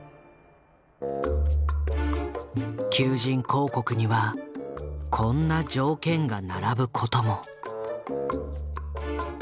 求人広告にはこんな条件が並ぶことも。